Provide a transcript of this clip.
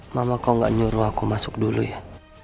mama kau gak nyuruh aku masuk dulu ya